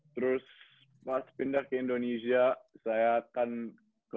terus pas pindah ke indonesia saya kan kelas sembilan